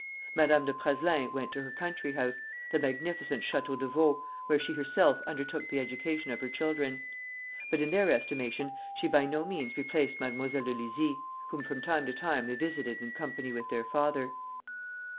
Madame de Praslin went to her country house, the magnificent Château de Vaux, where she herself undertook the education of her children; but in their estimation she by no means replaced Mademoiselle de Luzy, whom from time to time they visited in company with their father.